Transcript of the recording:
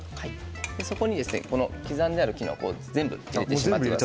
そこに、この刻んであるきのこを全部入れてください。